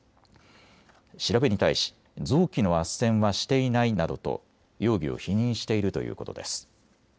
調べに対し臓器のあっせんはしていないなどと容疑を否認しているということです。